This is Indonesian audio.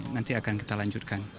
nanti akan kita lanjutkan